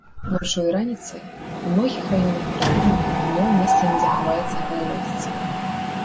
Ноччу і раніцай у многіх раёнах краіны, днём месцамі захаваецца галалёдзіца.